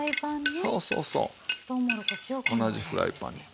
そうそうそう同じフライパンに。